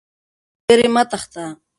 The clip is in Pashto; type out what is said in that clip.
له ویرې مه تښته.